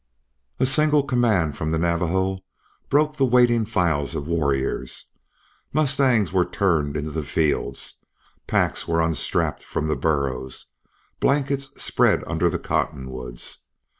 A single command from the Navajo broke the waiting files of warriors. Mustangs were turned into the fields, packs were unstrapped from the burros, blankets spread under the cottonwoods.